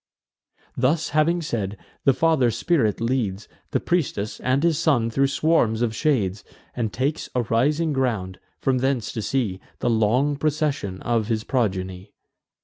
Thus having said, the father spirit leads The priestess and his son thro' swarms of shades, And takes a rising ground, from thence to see The long procession of his progeny.